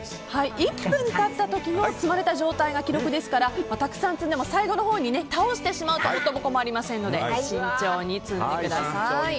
１分経った時の積まれた状態の記録ですから、たくさん積んでも最後のほうに倒してしまうと元も子もありませんので慎重に積んでください。